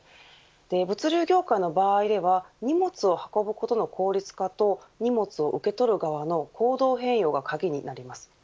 物流業界の場合では荷物を運ぶことの効率化と荷物を受け取る側の行動変容が鍵になります。